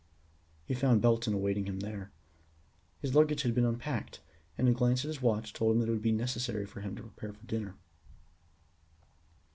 He found Belton awaiting him there. His luggage had been unpacked, and a glance at his watch told him that it would be necessary for him to prepare for dinner.